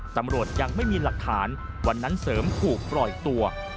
ตำรวจยังไม่มีหลักฐานวันนั้นเสริมถูกปล่อยตัว